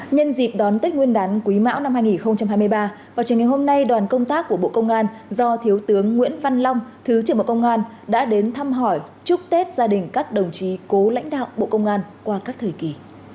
nhân dịp đón tết nguyên đán quý mão năm hai nghìn hai mươi ba vào trường ngày hôm nay đoàn công tác của bộ công an do thiếu tướng nguyễn văn long thứ trưởng bộ công an đã đến thăm hỏi chúc tết gia đình các đồng chí cố lãnh đạo bộ công an qua các thời kỳ